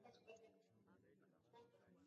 kabla ya kuingia na kuziacha mbele ya